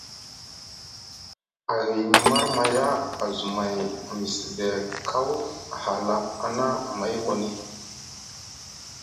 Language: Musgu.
Ahini marmaya azumay a Misde kaw a hala ana amay woni.